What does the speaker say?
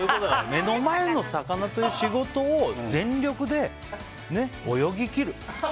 目の前の魚という仕事を全力で泳ぎ切る。